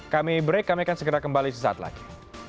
kami break kami akan segera kembali sesaat lagi